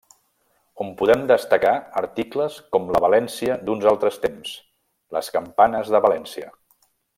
On podem destacar articles com La València d'uns altres temps: les campanes de València.